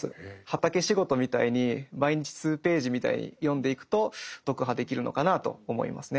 畑仕事みたいに毎日数ページみたいに読んでいくと読破できるのかなと思いますね。